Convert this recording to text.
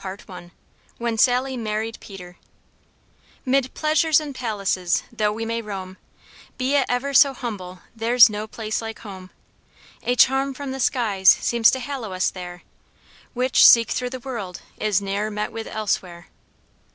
CHAPTER VII When Sally Married Peter "Mid pleasures and palaces though we may roam, Be it ever so humble there's no place like home! A charm from the skies seems to hallow us there, Which, seek through the world, is ne'er met with elsewhere."